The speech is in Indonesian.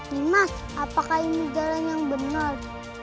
dimas apakah ini jalan yang benar